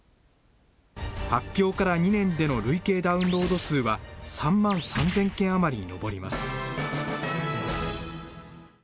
発表から２年での累計ダウンロード数は、３万３０００件余りに上ります。